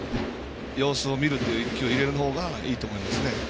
様子を見るという１球入れる方がいいと思いますね。